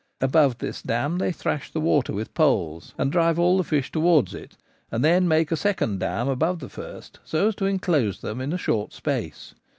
Above this dam they thrash the water with poles and drive all the fish towards it, and then make a second dam above the first so as to enclose them in a short space.